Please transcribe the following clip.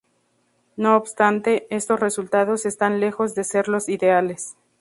No obstante, estos resultados están lejos de ser los ideales.